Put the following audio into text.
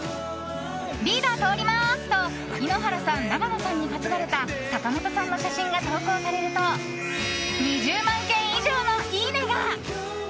リーダー通りまーす！と井ノ原さん、長野さんに担がれた坂本さんの写真が投稿されると２０万件以上のいいねが。